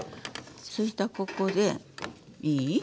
そしたらここでいい？